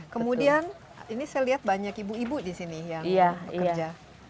kemudian ini saya lihat banyak ibu ibu di sini yang bekerja